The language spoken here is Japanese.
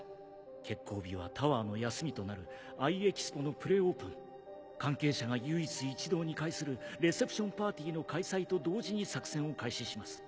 決行日はタワーの休みとなるＩ・エ関係者が唯一一堂に会するレセプションパーティーの開催と同時に作戦を開始します